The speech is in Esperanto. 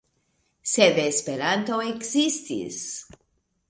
Sed Esperanto ekzistis!